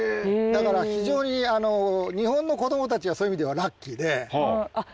だから非常に日本の子供たちはそういう意味ではラッキーで。